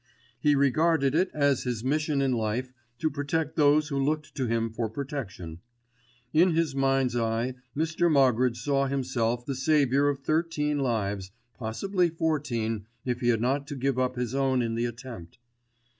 He regarded it as his mission in life to protect those who looked to him for protection. In his mind's eye, Mr. Moggridge saw himself the saviour of thirteen lives, possibly fourteen if he had not to give up his own in the attempt.